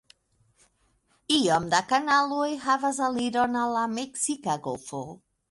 Iom da kanaloj havas aliron al la Meksika golfo.